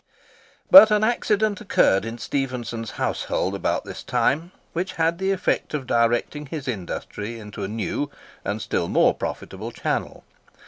But an accident occurred in Stephenson's household about this time, which had the effect of directing his industry into a new and still more profitable channel.